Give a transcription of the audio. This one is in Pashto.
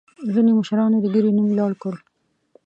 ځینې مشرانو د ګیرې نوم لوړ کړ.